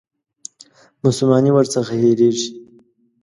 مسلماني ورڅخه هېرېږي.